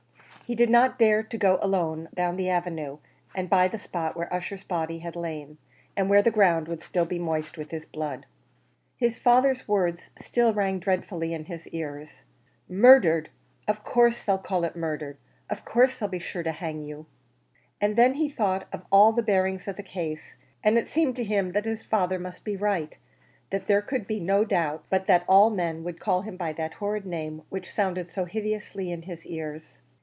He did not dare to go alone down the avenue, and by the spot where Ussher's body had lain, and where the ground would still be moist with his blood. His father's words still rang dreadfully in his ears "Murdered! of course they'll call it murder! of course they'll be sure to hang you!" And then he thought of all the bearings of the case, and it seemed to him that his father must be right; that there could be no doubt but that all men would call it by that horrid name which sounded so hideously in his ears.